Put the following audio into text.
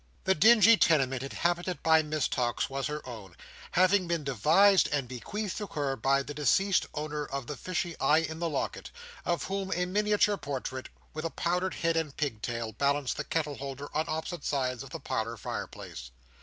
The dingy tenement inhabited by Miss Tox was her own; having been devised and bequeathed to her by the deceased owner of the fishy eye in the locket, of whom a miniature portrait, with a powdered head and a pigtail, balanced the kettle holder on opposite sides of the parlour fireplace.